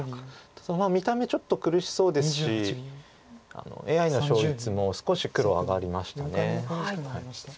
ただ見た目ちょっと苦しそうですしＡＩの勝率も少し黒上がりました。